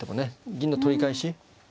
銀の取り返し。